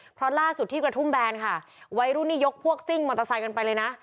เพราะล่าสุดที่กระทุ่มแบนค่ะวัยรุ่นนี้ยกพวกซิ่งมอเตอร์ไซค์กันไปเลยนะ